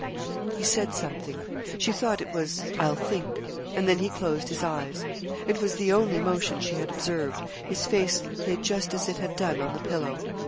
He said something. She thought it was 'I'll think;' and then he closed his eyes. It was the only motion she had observed, his face lay just as it had done on the pillow.